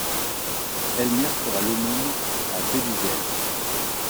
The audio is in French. Elmire ferait l’aumône à Bélisaire!